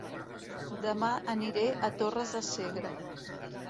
Dema aniré a Torres de Segre